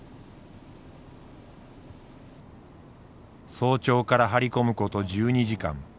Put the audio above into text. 早朝から張り込むこと１２時間。